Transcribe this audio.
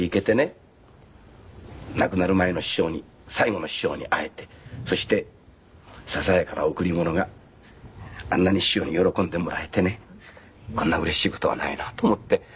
亡くなる前の師匠に最期の師匠に会えてそしてささやかな贈り物があんなに師匠に喜んでもらえてねこんなうれしい事はないなと思って。